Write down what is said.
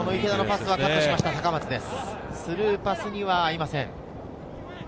スルーパスは合いません。